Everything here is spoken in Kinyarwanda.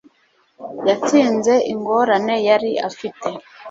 yatsinze ingorane yari afite